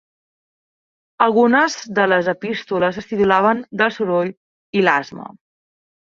Algunes de les epístoles es titulaven "Del soroll" i "L'asma".